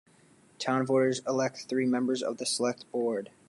Town voters elect three members of the select board.